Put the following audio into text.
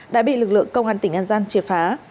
đã bị lực lượng công an tỉnh an giang triệt phá